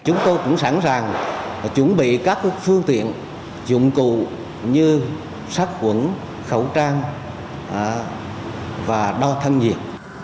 chúng tôi cũng sẵn sàng chuẩn bị các phương tiện dụng cụ như sắt quẩn khẩu trang và đo thân nhiệt